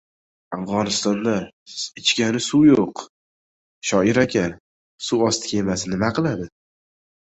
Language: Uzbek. — Afg‘onistonda ichgani suv yo‘q, shoir aka, suv osti kemasi nima qiladi?